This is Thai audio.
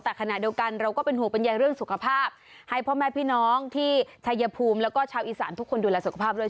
แต่ขณะเดียวกันเราก็เป็นห่วงเป็นใยเรื่องสุขภาพให้พ่อแม่พี่น้องที่ชายภูมิแล้วก็ชาวอีสานทุกคนดูแลสุขภาพด้วย